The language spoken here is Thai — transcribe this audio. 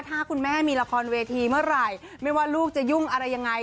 ถ้าคุณแม่มีละครเวทีเมื่อไหร่ไม่ว่าลูกจะยุ่งอะไรยังไง